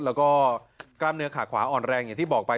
แล้วก็กล้ามเนื้อขาขวาอ่อนแรงอย่างที่บอกไป